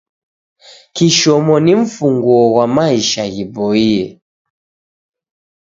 Kishomo ni mfunguo ghwa maisha ghiboie.